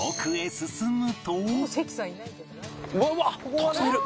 たくさんいる！